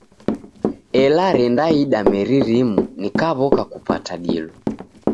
Ela rendaida meri rimu, nikaw'oka kupata dilo.